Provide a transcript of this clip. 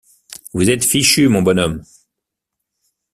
Vous êtes fichu, mon bonhomme!